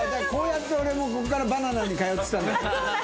こうやって俺もここからバナナに通ってたんだ。